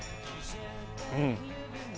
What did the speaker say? うん。